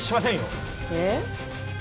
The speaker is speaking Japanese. えっ？